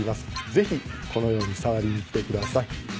ぜひこのように触りに来てください。